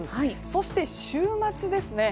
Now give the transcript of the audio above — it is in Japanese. そして、週末ですね。